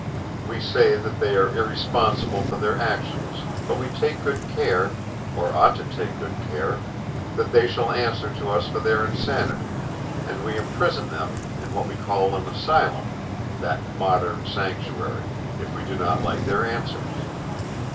We say that they are irresponsible for their actions, but we take good care, or ought to take good care, that they shall answer to us for their insanity, and we imprison them in what we call an asylum (that modern sanctuary!) if we do not like their answers.